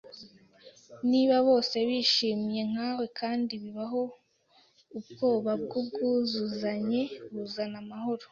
Niba bose bishimye nkawe Kandi bibaho ubwoba bwubwuzuzanye buzana amahoro